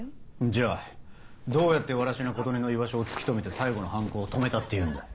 じゃあどうやって藁科琴音の居場所を突き止めて最後の犯行を止めたっていうんだ？